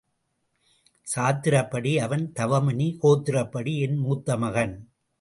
சாத்திரப்படி அவன் தவமுனி, கோத்திரப்படி என் மூத்த மகன்.